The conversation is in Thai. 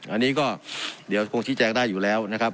อันนี้ก็เดี๋ยวคงชี้แจงได้อยู่แล้วนะครับ